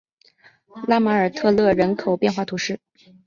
拉马尔特勒人口变化图示